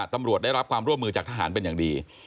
ตำรวจได้รับความร่วมมือจากทหารเป็นอย่างดี